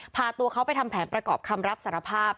พาตัวเขาไปทำแผนประกอบคำรับสารภาพ